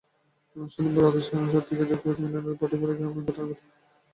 শনিবার রাত সাড়ে নয়টার দিকে জগৎপুর ইউনিয়নের ভাটিপাড়া গ্রামে এ ঘটনা ঘটে।